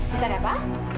nanti ada apa